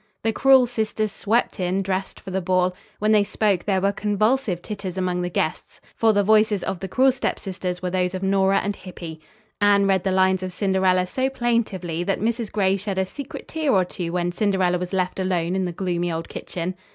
The cruel sisters swept in, dressed for the ball. When they spoke there were convulsive titters among the guests for the voices of the cruel step sisters were those of Nora and Hippy. Anne read the lines of Cinderella so plaintively that Mrs. Gray shed a secret tear or two when Cinderella was left alone in the gloomy old kitchen.